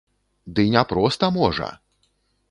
Ды не проста можа!